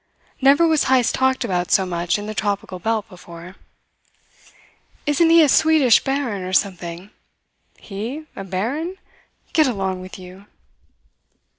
Never was Heyst talked about so much in the tropical belt before. "Isn't he a Swedish baron or something?" "He, a baron? Get along with you!"